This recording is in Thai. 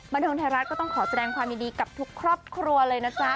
บันเทิงไทยรัฐก็ต้องขอแสดงความยินดีกับทุกครอบครัวเลยนะจ๊ะ